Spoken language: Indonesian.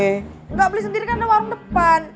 enggak beli sendiri kan ada warung depan